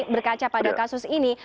berkaca pada kasus ini